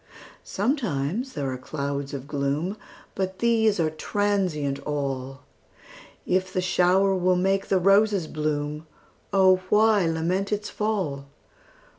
Sometimes there are clouds of gloom, But these are transient all; If the shower will make the roses bloom, O why lament its fall?